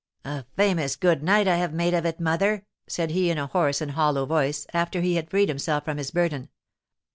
"A famous good night I have made of it, mother!" said he, in a hoarse and hollow voice, after he had freed himself from his burden.